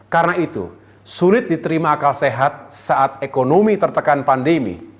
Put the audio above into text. karena itu sulit diterima akal sehat saat ekonomi tertekan pandemi